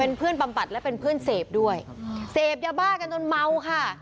เพื่อนบำบัดและเป็นเพื่อนเสพด้วยเสพยาบ้ากันจนเมาค่ะ